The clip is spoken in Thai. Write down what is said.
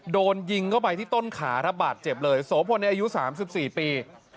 โดนยิงเข้าไปที่ต้นขารับบาดเจ็บเลยโสพลในอายุ๓๔ปี